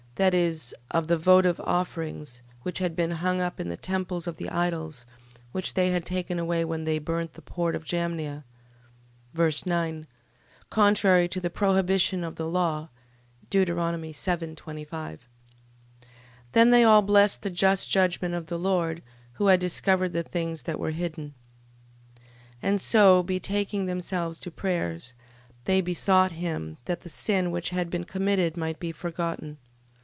That is, of the votive offerings, which had been hung up in the temples of the idols, which they had taken away when they burnt the port of Jamnia, ver. 9., contrary to the prohibition of the law, Deut. 7.25. 12:41. Then they all blessed the just judgment of the Lord, who had discovered the things that were hidden. 12:42. And so betaking themselves to prayers, they besought him, that the sin which had been committed might be forgotten.